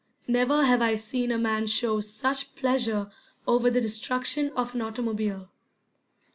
Never have I seen a man show such pleasure over the destruction of an automobile.